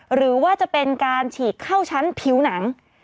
หรือว่าจะเป็นการฉีกเข้าชั้นผิวหนัง